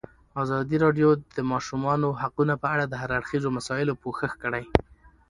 ازادي راډیو د د ماشومانو حقونه په اړه د هر اړخیزو مسایلو پوښښ کړی.